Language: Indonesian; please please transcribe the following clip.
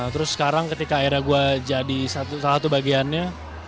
terus sekarang ketika akhirnya gue jadi salah satu bagiannya